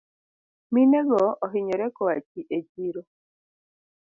Minego ohinyore koa echiro